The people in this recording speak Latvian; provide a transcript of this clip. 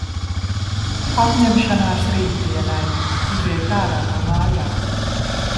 Apņemšanās rītdienai – iziet ārā no mājām.